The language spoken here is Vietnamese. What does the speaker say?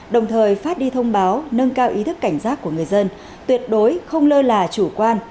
đồng thời phát đi thông báo nâng cao ý thức cảnh giác của người dân tuyệt đối không lơ là chủ quan